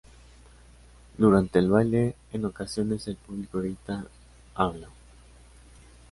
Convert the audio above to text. Durante el baile, en ocasiones el público grita "¡Habla!".